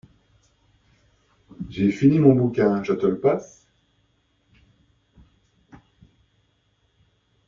J'ai fini mon bouquin, je te le passe?